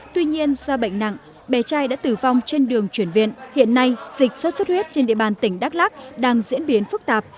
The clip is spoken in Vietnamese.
tuy nhiên do bệnh nặng bé trai đã tử vong trên đường chuyển viện hiện nay dịch sốt xuất huyết trên địa bàn tỉnh đắk lắc đang diễn biến phức tạp